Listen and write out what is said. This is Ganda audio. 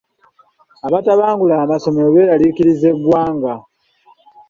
Abatabangula amasomero beeraliikiriza eggwanga.